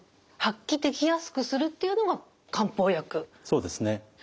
そうですね。